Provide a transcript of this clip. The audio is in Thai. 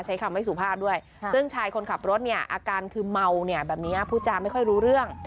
ใช้คำไม่สุภาพด้วยซึ่งชายคนขับรถเนี่ยอาการคือเมาเนี่ยแบบนี้พูดจาไม่ค่อยรู้เรื่อง